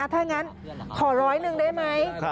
ถ้างั้นขอร้อยหนึ่งได้ไหม